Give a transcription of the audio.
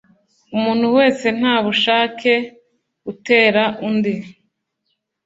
Umuntu wese nta bushake utera undi